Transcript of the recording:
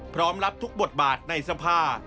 พร้อมรับทุกบทบาทในสภา